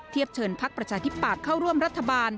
เชิญพักประชาธิปัตย์เข้าร่วมรัฐบาล